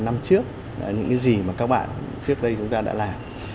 năm trước những cái gì mà các bạn trước đây chúng ta đã làm